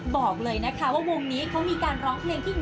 บอกเลยนะคะว่าวงนี้เขามีการร้องเพลงที่๑